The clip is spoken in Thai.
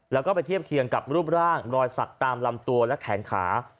แล้วก็ไปเทียบเคียงกับรูปร่างรอยสักตามลำตัวและแขนขา